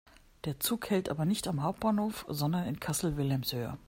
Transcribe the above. Der Zug hält aber nicht am Hauptbahnhof, sondern in Kassel-Wilhelmshöhe.